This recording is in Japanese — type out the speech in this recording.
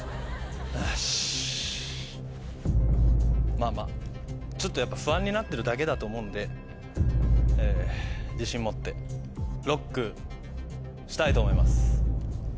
まぁまぁちょっとやっぱ不安になってるだけだと思うんで自信持ってＬＯＣＫしたいと思います。